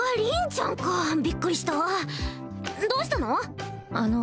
凛ちゃんかびっくりしたどうしたの？